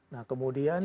nah kemudian ya